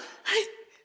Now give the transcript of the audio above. はい」。